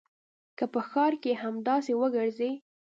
که په ښار کښې همداسې وګرځې.